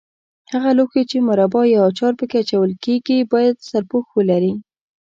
هغه لوښي چې مربا یا اچار په کې اچول کېږي باید سرپوښ ولري.